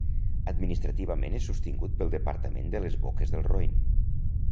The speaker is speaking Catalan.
Administrativament és sostingut pel Departament de les Boques del Roine.